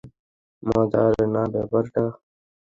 মজার না ব্যাপারটা?